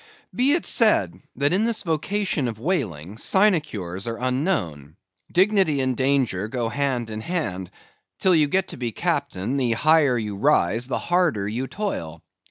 Be it said, that in this vocation of whaling, sinecures are unknown; dignity and danger go hand in hand; till you get to be Captain, the higher you rise the harder you toil.